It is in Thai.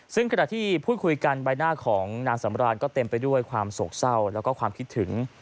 ซึ่งขณะที่พูดคุยกันใบหน้าของนางสำรานก็เต็มไปด้วยความโศกเศร้าแล้วก็ความคิดถึง